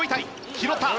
拾った！